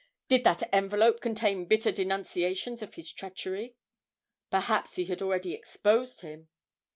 did that envelope contain bitter denunciations of his treachery? Perhaps he had already exposed him!